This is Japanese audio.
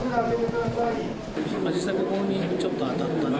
実際、ここにちょっと当たった。